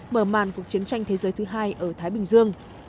mở màn cuộc chiến tranh thế giới thứ hai ở thái bình dương